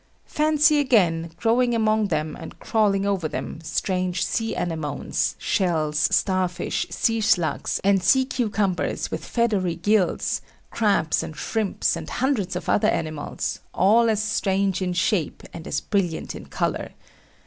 Fancy, again, growing among them and crawling over them, strange sea anemones, shells, star fish, sea slugs, and sea cucumbers with feathery gills, crabs, and shrimps, and hundreds of other animals, all as strange in shape, and as brilliant in colour.